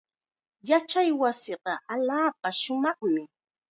Yachaywasiiqa allaapa shumaqmi.